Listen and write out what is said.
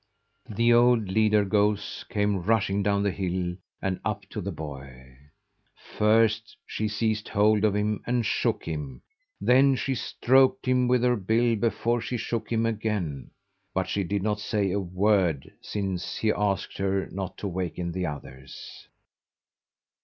The old leader goose came rushing down the hill and up to the boy. First she seized hold of him and shook him, then she stroked him with her bill before she shook him again. But she did not say a word, since he asked her not to waken the others.